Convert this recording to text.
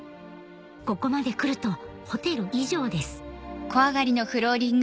ここまでくるとホテル以上です